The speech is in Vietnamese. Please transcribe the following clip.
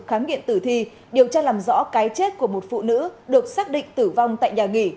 khám nghiệm tử thi điều tra làm rõ cái chết của một phụ nữ được xác định tử vong tại nhà nghỉ